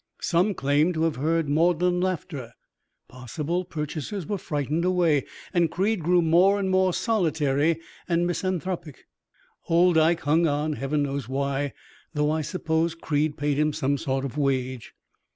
Some claim to have heard maudlin laughter. Possible purchasers were frightened away, and Creed grew more and more solitary and misanthropic. Old Ike hung on, Heaven knows why, though I suppose Creed paid him some sort of wage.